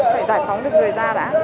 phải giải phóng được người ra đã